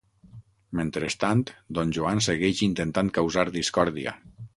Mentrestant, Don Joan segueix intentant causar discòrdia.